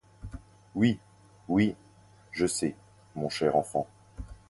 Oui, oui, je sais, mon cher enfant.